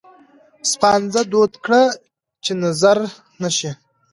سپانځه دود کړه چې نظره نه شي.